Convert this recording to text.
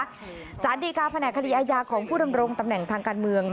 สารดีกาแผนกคดีอาญาของผู้ดำรงตำแหน่งทางการเมือง